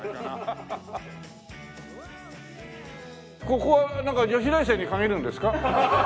ここはなんか女子大生に限るんですか？